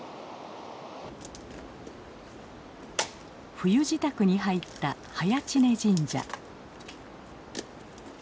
冬支度に入った早池峰神社。